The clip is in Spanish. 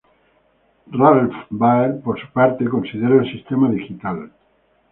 Ralph Baer, por su parte, considera el sistema digital.